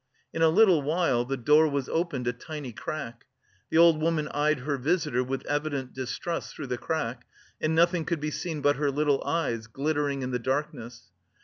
In a little while, the door was opened a tiny crack: the old woman eyed her visitor with evident distrust through the crack, and nothing could be seen but her little eyes, glittering in the darkness.